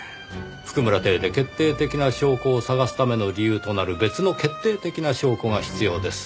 譜久村邸で決定的な証拠を捜すための理由となる別の決定的な証拠が必要です。